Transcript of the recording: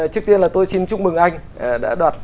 trước tiên là tôi xin chúc mừng anh đã đoạt